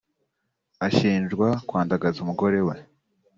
ashinjwa kwandagaza umugore we